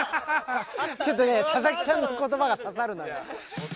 ちょっとね佐々木さんの言葉が刺さるのよ。